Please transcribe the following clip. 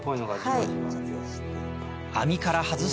はい。